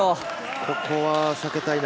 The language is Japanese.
ここは避けたいな。